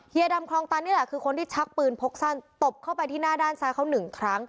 ดำคลองตันนี่แหละคือคนที่ชักปืนพกสั้นตบเข้าไปที่หน้าด้านซ้ายเขาหนึ่งครั้ง